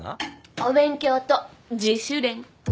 お勉強と自主練。